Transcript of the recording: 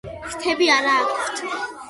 ფრთები არა აქვთ.